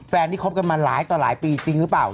ที่คบกันมาหลายต่อหลายปีจริงหรือเปล่า